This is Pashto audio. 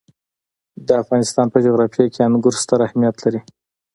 د افغانستان په جغرافیه کې انګور ستر اهمیت لري.